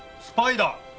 スパイダー